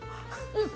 うん！